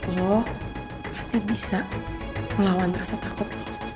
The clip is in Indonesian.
lo pasti bisa melawan rasa takut